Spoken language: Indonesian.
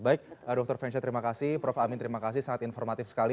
baik dr fensha terima kasih prof amin terima kasih sangat informatif sekali